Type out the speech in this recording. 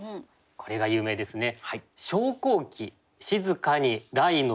これが有名ですね。